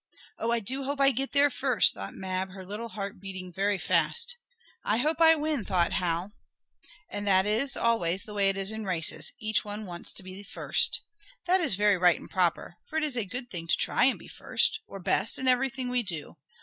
"Oh, I do hope I get there first!" thought Mab, her little heart beating very fast. "I hope I win!" thought Hal. And that is always the way it is in races each one wants to be first. That is very right and proper, for it is a good thing to try and be first, or best, in everything we do.